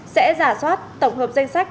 sẽ giả soát tổng hợp danh sách